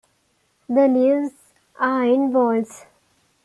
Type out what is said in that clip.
The leaves are in whorls.